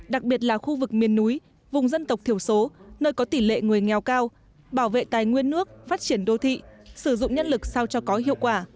đặc biệt là khu vực miền núi vùng dân tộc thiểu số nơi có tỷ lệ người nghèo cao bảo vệ tài nguyên nước phát triển đô thị sử dụng nhân lực sao cho có hiệu quả